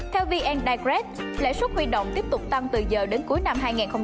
theo vn digrect lãi suất huy động tiếp tục tăng từ giờ đến cuối năm hai nghìn hai mươi